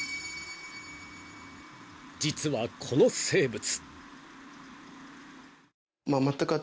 ［実はこの生物］